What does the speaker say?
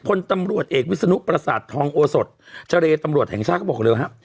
พลตำรวจเอกวิศนุประสาททองโอสดเจรตำรวจแห่งชาติก็บอกเร็วฮะ